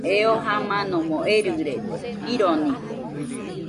Eo jamanomo erɨrede, jironide